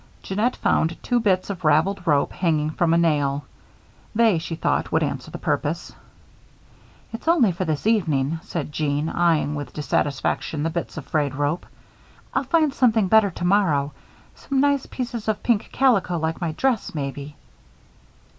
Jeannette found two bits of raveled rope, hanging from a nail. They, she thought, would answer the purpose. "It's only for this evening," said Jeanne, eying with dissatisfaction the bits of frayed rope. "I'll find something better tomorrow some nice pieces of pink calico like my dress, maybe."